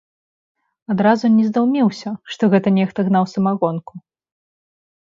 Адразу не здаўмеўся, што гэта нехта гнаў самагонку.